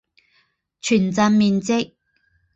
全镇面积。